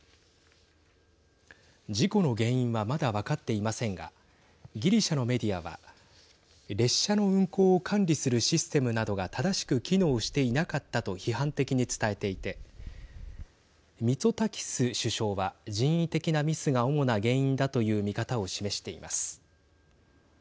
事故の原因はまだ分かっていませんがギリシャのメディアは列車の運行を管理するシステムなどが正しく機能していなかったと批判的に伝えていてミツォタキス首相は人為的なミスが主な原因だという見方を示しています。